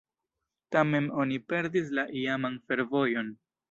Tamen oni perdis la iaman fervojon.